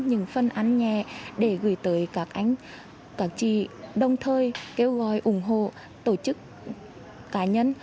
những phần ăn nhẹ để gửi tới các anh các chị đồng thời kêu gọi ủng hộ tổ chức cá nhân